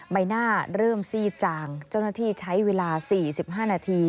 ใบหน้าเริ่มซีดจางเจ้าหน้าที่ใช้เวลา๔๕นาที